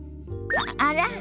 あら？